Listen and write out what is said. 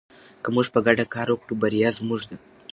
که موږ په ګډه کار وکړو بریا زموږ ده.